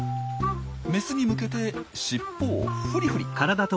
メスに向けて尻尾をフリフリ。